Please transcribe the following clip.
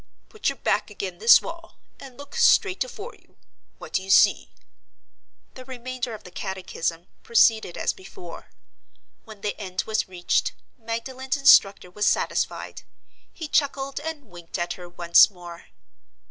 Put your back ag'in this wall, and look straight afore you. What do you see?" The remainder of the catechism proceeded as before. When the end was reached, Magdalen's instructor was satisfied. He chuckled and winked at her once more.